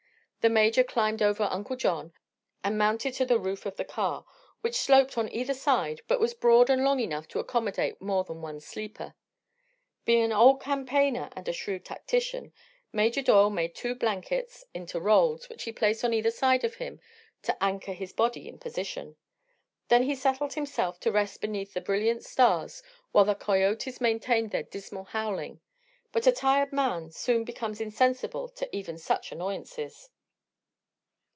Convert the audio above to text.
The Major climbed over Uncle John and mounted to the roof of the car, which sloped to either side but was broad and long enough to accommodate more than one sleeper. Being an old campaigner and a shrewd tactician, Major Doyle made two blankets into rolls, which he placed on either side of him, to "anchor" his body in position. Then he settled himself to rest beneath the brilliant stars while the coyotes maintained their dismal howling. But a tired man soon becomes insensible to even such annoyances.